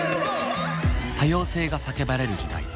多様性が叫ばれる時代